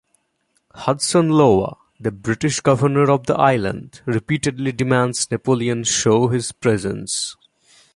Hudson Lowe, the British governor of the island, repeatedly demands Napoleon show his presence.